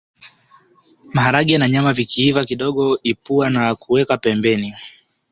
Maharage na nyama vikiiva kidogo ipua na kuweka pembeni